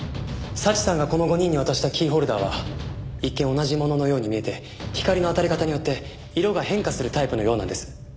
早智さんがこの５人に渡したキーホルダーは一見同じもののように見えて光の当たり方によって色が変化するタイプのようなんです。